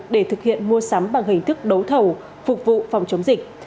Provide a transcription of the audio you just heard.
để thực hiện mua sắm bằng hình thức đấu thầu phục vụ phòng chống dịch